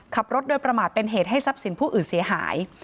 ขับรถโดยประมาทเป็นเหตุให้ทรัพย์สินผู้อื่นเสียหาย